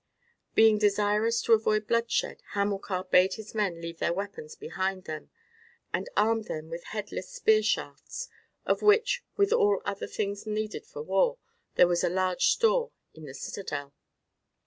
Being desirous to avoid bloodshed, Hamilcar bade his men leave their weapons behind them, and armed them with headless spear shafts, of which, with all other things needed for war, there was a large store in the citadel.